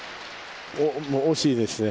惜しいですね。